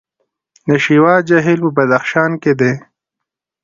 د شیوا جهیل په بدخشان کې دی